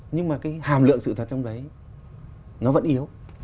nhưng mà cái hàm lượng sự thật trong đấy nó vẫn yếu